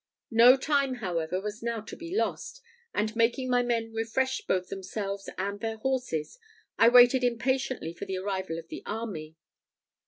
No time, however, was now to be lost; and making my men refresh both themselves and their horses, I waited impatiently for the arrival of the army.